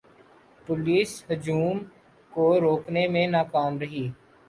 police ہجوم کو روکنے میں ناکام رہی